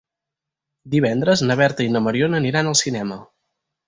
Divendres na Berta i na Mariona aniran al cinema.